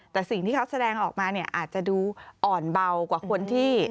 แต่สิ่งที่เขาแสดงออกมาเนี่ยอาจจะดูอ่อนเบากว่าคนที่